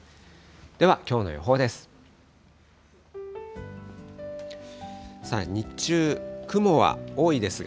ではきょうの予報です。